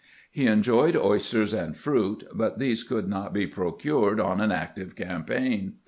He enjoyed oysters and fruit, but these could not be procured on an active campaign.